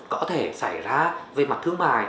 có thể xảy ra về mặt thương mại